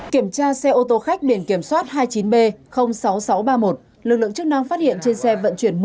kiểm tra xe ô tô khách biển kiểm soát hai mươi chín b sáu nghìn sáu trăm ba mươi một lực lượng chức năng phát hiện trên xe vận chuyển